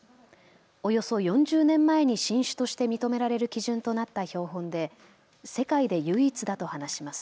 およそ４０年前に新種として認められる基準となった標本で世界で唯一だと話します。